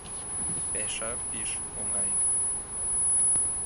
Пӓша пиш оҥай.